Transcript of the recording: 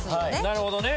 なるほどね。